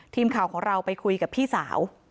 ทีมข่าวของเราไปคุยกับพี่สาว